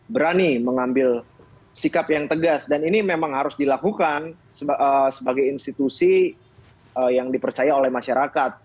berani mengambil sikap yang tegas dan ini memang harus dilakukan sebagai institusi yang dipercaya oleh masyarakat